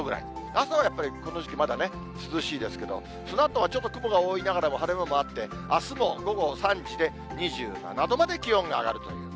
朝はやっぱりこの時期、まだね、涼しいですけど、そのあとはちょっと雲が多いながらも、晴れ間もあって、あすも午後３時で２７度まで気温が上がるという。